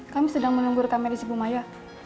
kami sedang menunggurkan medisi bu maya